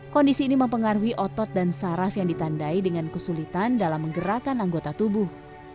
kondisi ini mempengaruhi otot dan saraf yang ditandai dengan kesulitan dalam menggerakkan anggota tubuh